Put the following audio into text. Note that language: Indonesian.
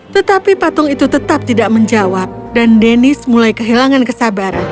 tetapi patung itu tetap tidak menjawab dan deniz mulai kehilangan kesabaran